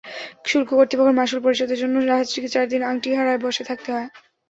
শুল্ক কর্তৃপক্ষের মাশুল পরিশোধের জন্য জাহাজটিকে চার দিন আংটিহারায় বসে থাকতে হয়।